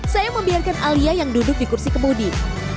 saya membiarkan alia yang duduk di kursi kemudi